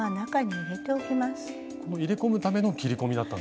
入れ込むための切り込みだったんですね。